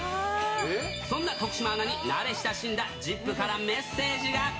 そんな徳島アナに慣れ親しんだＺＩＰ！からメッセージが。